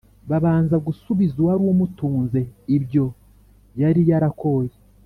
babanza gusubiza uwari umutunze ibyo yari yarakoye,